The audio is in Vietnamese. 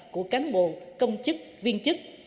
của cán bộ công chức viên chức